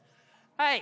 はい。